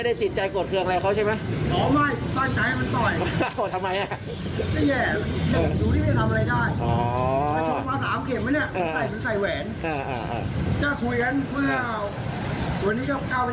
สามถึงเลขสามสองก็สามเจ็ดไม่มีไม่ได้เป็นไร